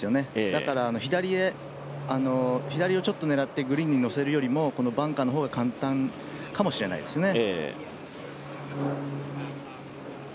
だから、左をちょっと狙ってグリーンにのせるよりもバンカーの方が簡単かもしれないですね。